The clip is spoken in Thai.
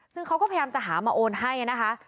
ซึ่งเขาก็พยายามจะหามาโอนให้นะคะ